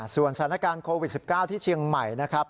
ส่วนสถานการณ์โควิด๑๙ที่เชียงใหม่นะครับ